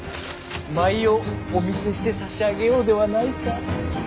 舞をお見せしてさしあげようではないか。